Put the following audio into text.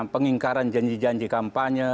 pengingkaran janji janji kampanye